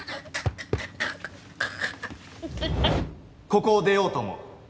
ここを出ようと思う。